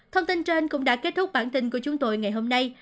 thông tin trên cũng đã kết thúc bản tin của chúng tôi ngày hôm nay